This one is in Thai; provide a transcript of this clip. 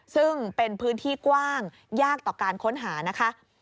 ซึ่งเป็นพื้นที่กว้างยากต่อการค้นหานะคะ